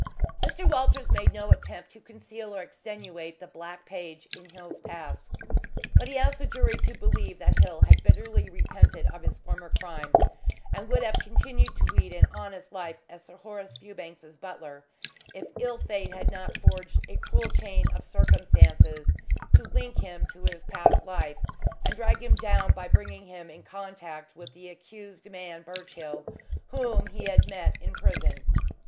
Mr. Walters made no attempt to conceal or extenuate the black page in Hill's past, but he asked the jury to believe that Hill had bitterly repented of his former crime, and would have continued to lead an honest life as Sir Horace Fewbanks's butler, if ill fate had not forged a cruel chain of circumstances to link him to his past life and drag him down by bringing him in contact with the accused man Birchill, whom he had met in prison.